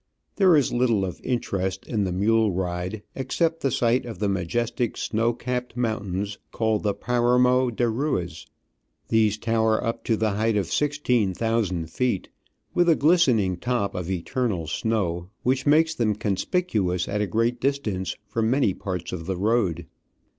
There is little of interest in the mule ride except the sight of the majestic snow capped moun tains, called the Paramo de Ruiz. These tower up to the height of sixteen thousand feet, with a glistening top of eternal snow, which makes them conspicuous at a great distance from many parts of the road.